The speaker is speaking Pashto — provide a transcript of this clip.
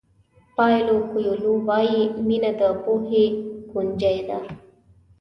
پاویلو کویلو وایي مینه د پوهې کونجۍ ده.